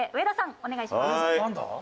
お願いします。